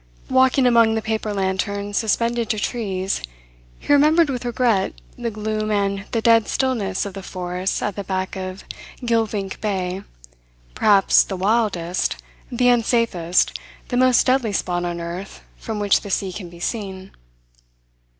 Walking among the paper lanterns suspended to trees he remembered with regret the gloom and the dead stillness of the forests at the back of Geelvink Bay, perhaps the wildest, the unsafest, the most deadly spot on earth from which the sea can be seen.